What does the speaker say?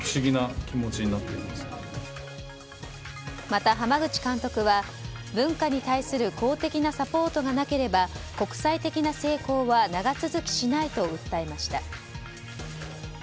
また、濱口監督は文化に対する公的なサポートがなければ国際的な成功は長続きしないと訴えました。